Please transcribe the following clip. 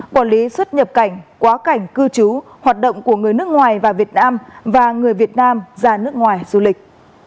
quản lý xuất nhập cảnh quá cảnh cư trú hoạt động của người nước ngoài và việt nam và người việt nam ra nước ngoài du lịch